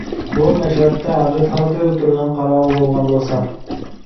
بۇ مەشرەپتە ھاجەتخانا تۈۋىدە تۇرىدىغان قاراۋۇل بولغان بولسام.